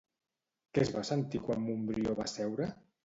Què es va sentir quan Montbrió va seure?